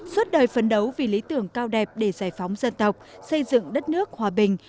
suốt đời phấn đấu vì lý tưởng cao đẹp để giải phóng dân tộc xây dựng đất nước hòa bình